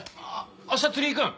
明日釣り行くん？